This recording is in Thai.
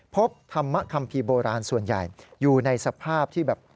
พบธรรมคัมภีร์โบราณส่วนใหญ่อยู่ในสภาพที่แบบ